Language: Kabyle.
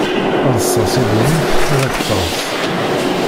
Eḍs-as i ddunit ad ak-d-teḍs!